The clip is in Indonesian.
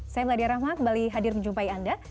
saya mladia rahman kembali hadir menjumpai anda